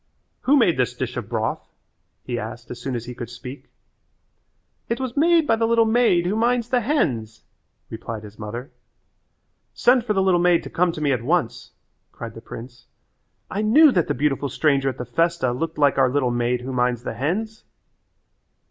"Who made this dish of broth?" he asked as soon as he could speak. "It was made by the little maid who minds the hens," replied his mother. "Send for the little maid to come to me at once," cried the prince. "I knew that the beautiful stranger at the festa looked like our little maid who minds the hens."